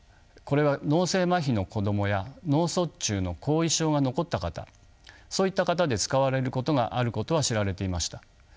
これは脳性まひの子供や脳卒中の後遺症が残った方そういった方で使われることがあることは知られていました。